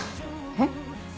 えっ？